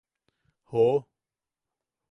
¡Joo!.